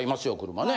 車ね。